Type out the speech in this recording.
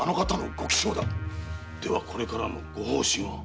ではこれからのご方針は？